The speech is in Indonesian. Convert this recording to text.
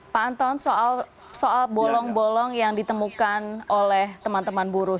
pak anton soal bolong bolong yang ditemukan oleh teman teman buruh